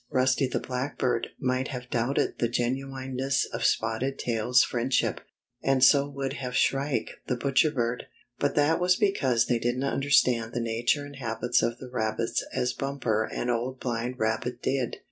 Rusty the Blackbird might have doubted the genuineness of Spotted Tail's friend ship, and so would have Shrike the Butcher Bird, but that was because they didn't understand the nature and habits of the rabbits as Bumper and Old Blind Rabbit did.